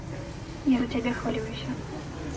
Я за цябе хвалююся.